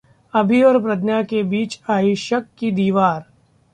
अभि और प्रज्ञा के बीच आई शक की दीवार...